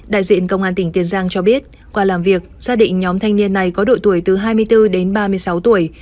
đại diện công an tỉnh tiền giang cho biết qua làm việc xác định nhóm thanh niên này có đội tuổi từ hai mươi bốn đến ba mươi sáu tuổi